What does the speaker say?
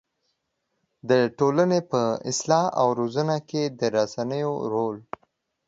د ټولنې په اصلاح او روزنه کې د رسنيو رول